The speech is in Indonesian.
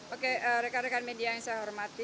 oke rekan rekan media yang saya hormati